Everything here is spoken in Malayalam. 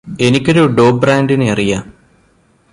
എനിക്കൊരു ഡോബ്രാൻഡിനെ അറിയാം